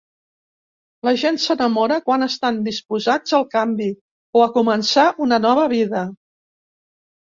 La gent s'enamora quan estan disposats al canvi o a començar una nova vida.